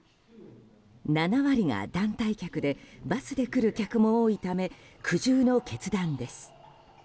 ７割が団体客でバスで来る客も多いため苦渋の決断です。